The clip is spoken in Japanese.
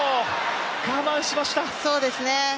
我慢しました。